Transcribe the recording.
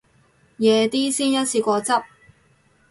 夜啲先一次過執